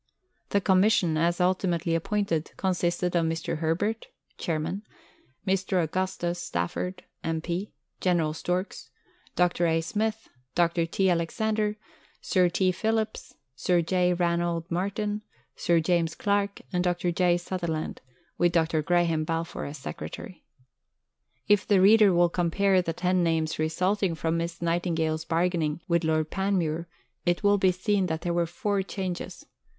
The Commission, as ultimately appointed, consisted of Mr. Herbert (Chairman), Mr. Augustus Stafford, M.P., General Storks, Dr. A. Smith, Dr. T. Alexander, Sir T. Phillips, Sir J. Ranald Martin, Sir James Clark, and Dr. J. Sutherland, with Dr. Graham Balfour as Secretary. If the reader will compare the ten names resulting from Miss Nightingale's bargaining with Lord Panmure, it will be seen that there were four changes.